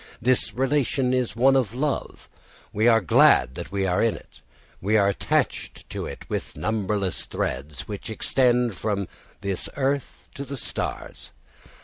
This relation is one of love. We are glad that we are in it; we are attached to it with numberless threads, which extend from this earth to the stars.